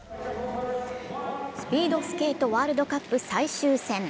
スピードスケートワールドカップ最終戦。